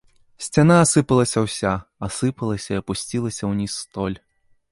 Сцяна асыпалася ўся, асыпалася і апусцілася ўніз столь.